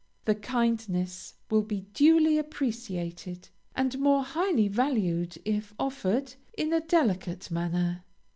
The kindness will be duly appreciated, and more highly valued if offered in a delicate manner.